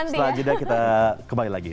setelah jeda kita kembali lagi